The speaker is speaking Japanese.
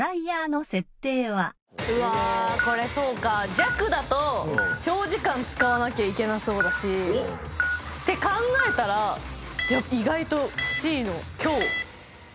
弱だと長時間使わなきゃいけなそうだし。って考えたら意外とＣの「強」